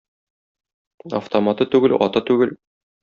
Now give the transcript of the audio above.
Автоматы түгел, аты түгел.